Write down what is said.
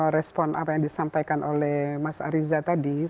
respon apa yang disampaikan oleh mas ariza tadi